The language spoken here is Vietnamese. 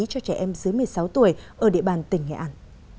cho trẻ em dưới một mươi sáu tuổi ở địa bàn tỉnh nghệ an